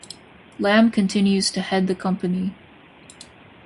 Lam continues to head the company.